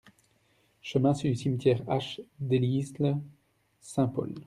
Chemin du Cimetière H Delisle, Saint-Paul